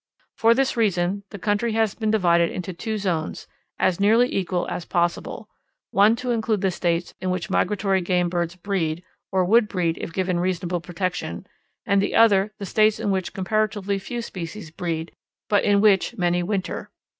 For this reason the country has been divided into two zones, as nearly equal as possible, one to include the states in which migratory game birds breed, or would breed if given reasonable protection, the other the states in which comparatively few species breed, but in which many winter.